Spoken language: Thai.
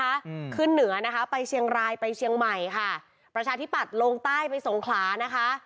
อืมขึ้นเหนือนะคะไปเชียงรายไปเชียงใหม่ค่ะประชาธิปัตย์ลงใต้ไปสงขลานะคะ